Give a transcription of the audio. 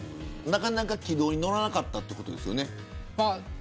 なかなか軌道に乗らなかったということですよね。